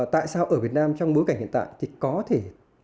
tại sao ở việt nam trong bối cảnh hiện tại thì có thể